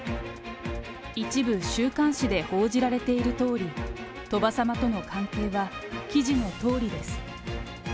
一部週刊誌で報じられているとおり、鳥羽様との関係は、記事のとおりです。